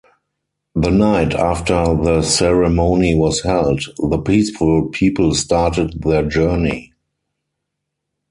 The night after the ceremony was held, the peaceful people started their journey.